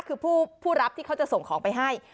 คือผู้รับที่เขาจะส่งของไปให้